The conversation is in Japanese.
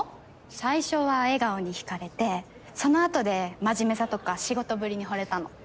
最初は笑顔に引かれてそのあとで真面目さとか仕事ぶりにほれたの。